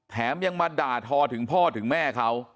แถมยังมาด่าทอถึงพ่อถึงแม่เขา